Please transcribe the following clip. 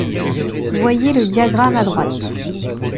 Voyez le diagramme à droite.